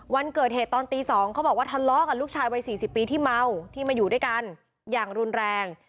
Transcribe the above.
วันเกิดเหตุตอนตี๒เขาบอกว่าทะเลาะกับลูกชายวัย๔๐ปีที่เมาที่มาอยู่ด้วยกันอย่างรุนแรง